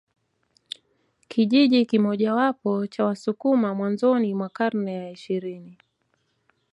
Kijiji kimojawapo cha Wasukuma mwanzoni mwa karne ya ishirini